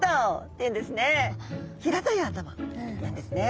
「平たい頭」なんですね。